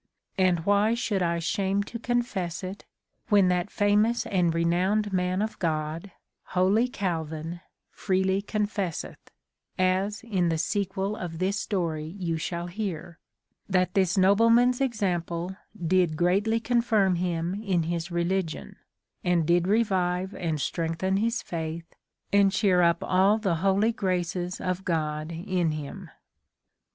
And why should I shame to confess it, when that famous and renowned man of God, holy Calvine, freely confesseth,^ as in the sequel of this story you shall heare, that this nobleman's example did greatly confirme him in his religion, and did revive and strengthen his faith, and cheere up all the holy graces of God in him."